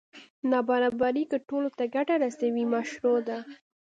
نابرابري که ټولو ته ګټه رسوي مشروع ده.